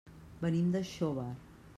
Venim de Xóvar.